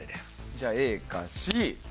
じゃあＡかＣ。